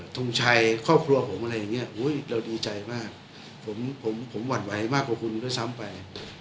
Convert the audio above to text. ทงชัยครอบครัวผมอะไรอย่างเงี้ยเราดีใจมากผมผมหวั่นไหวมากกว่าคุณด้วยซ้ำไป